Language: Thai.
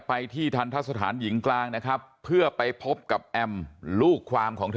ไปที่ทันทะสถานหญิงกลางนะครับเพื่อไปพบกับแอมลูกความของเธอ